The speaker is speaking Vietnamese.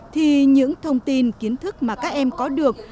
thì những thông tin kiến thức mà các em có được